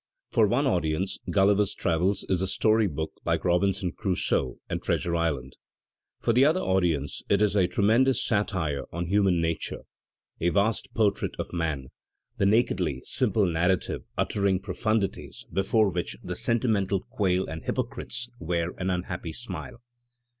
For one audience "Gulliver's Travels'* is a story book like "Robinson Crusoe and "Treasure Island." For the other audience it is a tremen dous satire on human nature, a vast portridt of man, the nakedly simple narrative uttering profundities before which the sentimental quail and hypocrites wear an unhappy smile.